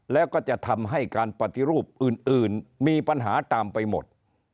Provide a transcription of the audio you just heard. แล้วก็จะทำให้การปฏิรูปอื่นมีปัญหาตามไปหมด